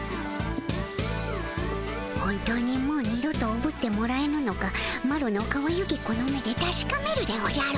本当にもう二度とおぶってもらえぬのかマロのかわゆきこの目でたしかめるでおじゃる。